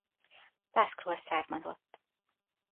Laskról származott.